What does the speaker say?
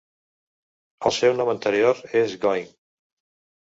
El seu nom anterior és Going.